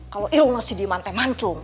kalau ilmu masih dimantai mancung